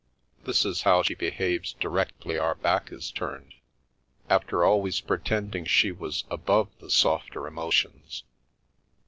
This is how she behaves directly our back is turned! After always pretending she was above the softer emotions